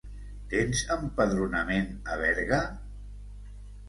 Tens empadronament a Berga?